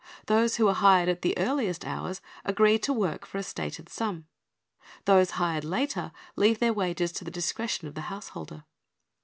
Those who are hired at the earliest hours agree to work for a stated sum; those hired later leave their wages to the discretion of the householder.